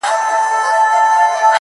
چي ملګری د سفر مي د بیابان یې-